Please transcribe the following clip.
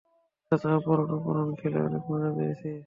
চাচা, অপহরণ অপহরণ খেলে অনেক মজা পেয়েছি।